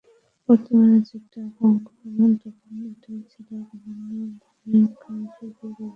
বর্তমানে যেটা বঙ্গভবন, তখন সেটাই ছিল গভর্নর মোনায়েম খানের সরকারি বাসভবন।